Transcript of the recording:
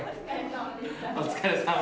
お疲れさま。